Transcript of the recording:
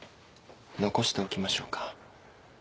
残しておきましょうか。